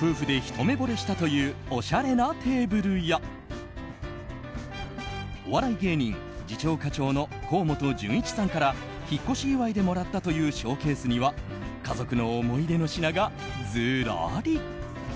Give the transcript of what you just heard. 夫婦でひと目ぼれしたというおしゃれなテーブルやお笑い芸人次長課長の河本準一さんから引っ越し祝いでもらったというショーケースには家族の思い出の品が、ずらり。